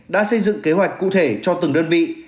đã xây dựng kế hoạch cụ thể cho từng đơn vị